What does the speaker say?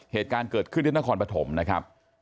เหตุการณ์เกิดขึ้นที่นครปฐมนะครับ